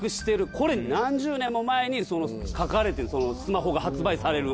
これ何十年も前に描かれてるスマホが発売される。